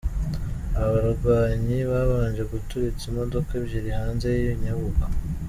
Aba barwanyi babanje guturitsa imodoka ebyiri hanze y’iyi nyubako.